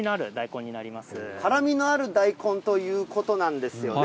辛みのある大根ということなんですよね。